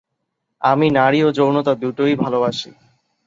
আমি নারী ও যৌনতা দুটোই ভলোবাসি।